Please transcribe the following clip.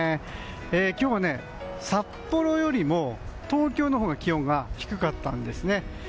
今日は札幌よりも東京のほうが気温が低かったんですね。